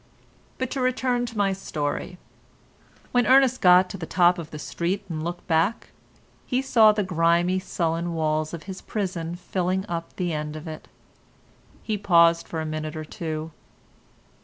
But to return to my story. When Ernest got to the top of the street and looked back, he saw the grimy, sullen walls of his prison filling up the end of it. He paused for a minute or two.